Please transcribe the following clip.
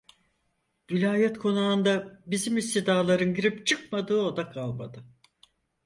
Vilayet konağında bizim istidaların girip çıkmadığı oda kalmadı.